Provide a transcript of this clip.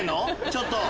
ちょっと！